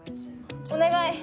お願い！